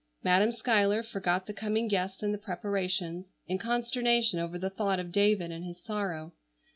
Madam Schuyler forgot the coming guests and the preparations, in consternation over the thought of David and his sorrow.